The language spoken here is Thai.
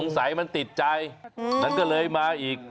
ใสมันติดใจมันก็เลยมาอีก